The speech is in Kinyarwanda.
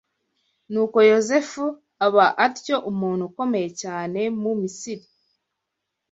Nuko Yozefu aba atyo umuntu ukomeye cyane mu Misiri